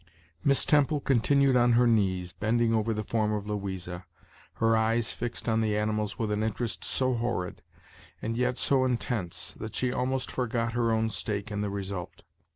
Miss Temple continued on her knees, bending over the form of Louisa, her eyes fixed on the animals with an interest so horrid, and yet so intense, that she almost forgot her own stake in the result.